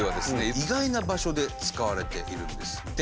意外な場所で使われているんですって。